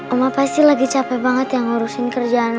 oma pasti lagi capek banget ya ngurusin kerjaan